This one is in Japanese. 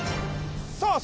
さあ